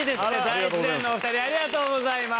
大自然のお二人ありがとうございます。